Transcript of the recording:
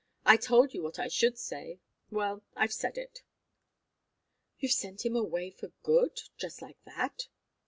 I told you what I should say. Well I've said it." "You've sent him away for good just like that?"